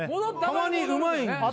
たまにうまいんですよ